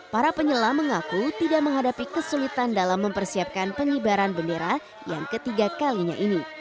para penyelam mengaku tidak menghadapi kesulitan dalam mempersiapkan pengibaran bendera yang ketiga kalinya ini